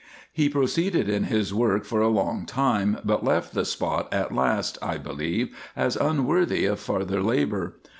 He proceeded in his work for a long time, but left the spot at last, I believe, as unworthy of farther labour.